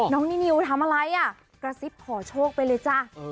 นินิวทำอะไรอ่ะกระซิบขอโชคไปเลยจ้ะ